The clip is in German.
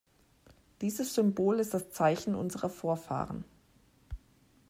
Dieses Symbol ist das Zeichen unserer Vorfahren.